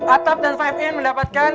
atap dan lima in mendapatkan